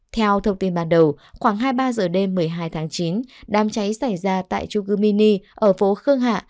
theo thông tin ban đầu khoảng hai mươi ba h đêm một mươi hai tháng chín đám cháy xảy ra tại trung cư mini ở phố khương hạ